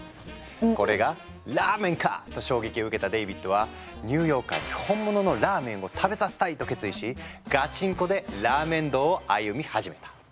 「これがラーメンか⁉」と衝撃を受けたデイビッドは「ニューヨーカーに本物のラーメンを食べさせたい！」と決意しガチンコでラーメン道を歩み始めた。